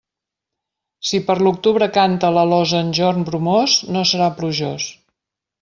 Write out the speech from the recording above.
Si per l'octubre canta l'alosa en jorn bromós, no serà plujós.